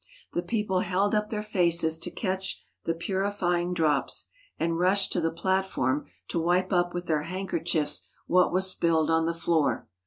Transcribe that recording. The people held up their faces to catch the purifying drops and rushed to the platform to wipe up with their handkerchiefs what was spilled on the floor.